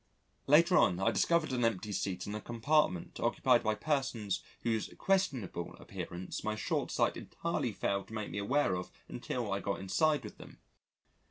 Later on, I discovered an empty seat in a compartment occupied by persons whose questionable appearance my short sight entirely failed to make me aware of until I got inside with them.